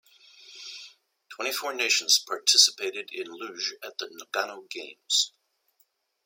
Twenty-four nations participated in Luge at the Nagano Games.